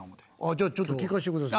じゃあちょっと聴かせてください